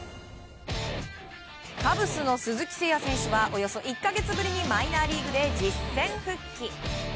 カブスの鈴木誠也選手はおよそ１か月ぶりにマイナーリーグで実戦復帰。